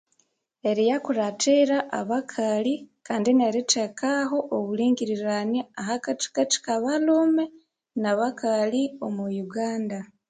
Eriyakurathira abakali kandi nerithekaho obulingirirania ahakathikathi kabalhume na abakali omwa Uganda.